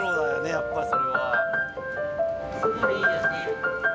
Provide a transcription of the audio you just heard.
やっぱりそれは。